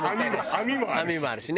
網もあるし。